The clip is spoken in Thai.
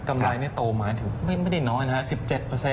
กำไรโตมาถึงไม่ได้น้อยนะฮะ๑๗